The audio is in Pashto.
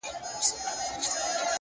لوړ فکر نوې مفکورې زېږوي.!